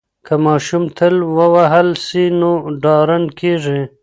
که ماشوم تل ووهل سي نو ډارن کیږي.